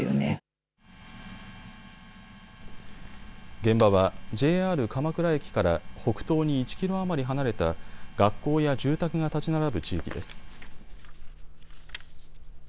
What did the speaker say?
現場はＪＲ鎌倉駅から北東に１キロ余り離れた学校や住宅が建ち並ぶ地域です。